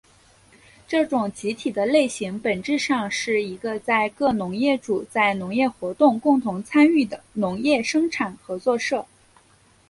这种集体的类型本质上是一个在各农业主在农业活动共同参与的农业生产合作社。